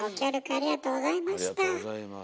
ありがとうございます。